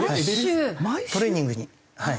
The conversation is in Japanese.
トレーニングにはい。